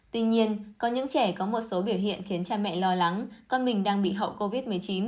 tuy nhiên có những trẻ có một số biểu hiện khiến cha mẹ lo lắng con mình đang bị hậu covid một mươi chín